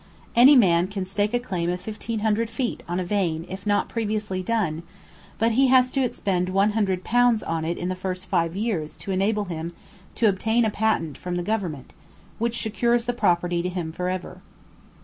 Any man can stake a claim of 1,500 feet on a vein if not previously done; but he has to expend 100 pounds on it in the first five years to enable him to obtain a patent from Government, which secures the property to him for ever.